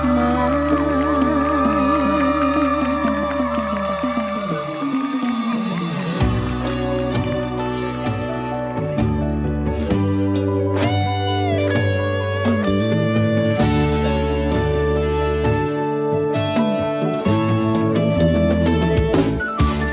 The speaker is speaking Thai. ชีวิตตุกรดให้มารับทีม่ำแพ้วันนี้